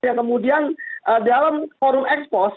yang kemudian dalam forum expose